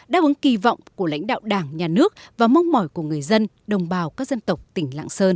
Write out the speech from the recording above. đáp ứng kỳ vọng của lãnh đạo đảng nhà nước và mong mỏi của người dân đồng bào các dân tộc tỉnh lạng sơn